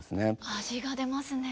味が出ますね。